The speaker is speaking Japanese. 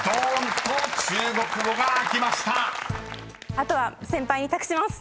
あとは先輩に託します。